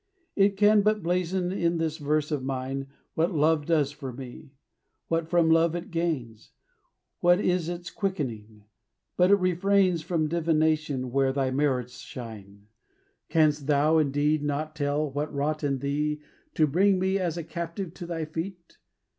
It can but blazon in this verse of mine What love does for me; what from Love it gains; What is its quickening; but it refrains From divination where thy merits shine. Canst thou, indeed, not tell what wrought in thee To bring me as a captive to thy feet?